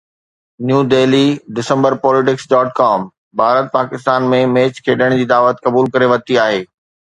New Delhi December Politics.com Bharat Pakistan ۾ match کيڏڻ جي دعوت قبول ڪري ورتي آهي